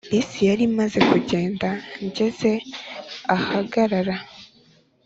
] bisi yari imaze kugenda ngeze ahagarara.